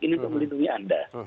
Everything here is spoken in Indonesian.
ini untuk melindungi anda